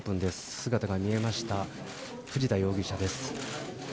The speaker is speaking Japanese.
姿が見えました、藤田容疑者です。